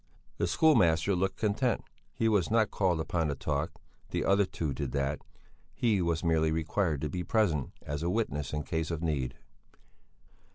The schoolmaster looked content; he was not called upon to talk, the other two did that; he was merely required to be present as a witness in case of need.